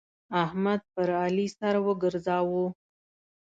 احمد پر علي سر وګرځاوو.